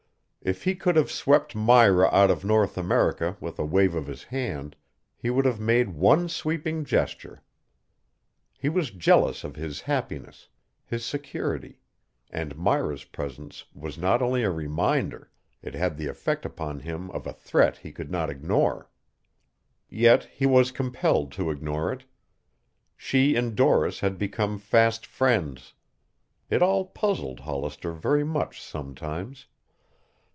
If he could have swept Myra out of North America with a wave of his hand, he would have made one sweeping gesture. He was jealous of his happiness, his security, and Myra's presence was not only a reminder; it had the effect upon him of a threat he could not ignore. Yet he was compelled to ignore it. She and Doris had become fast friends. It all puzzled Hollister very much sometimes.